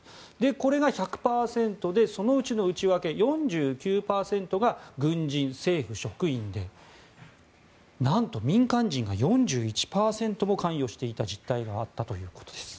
これが１００％でそのうちの内訳４９％が軍人、政府職員でなんと民間人が４１％も関与していた実態があったということです。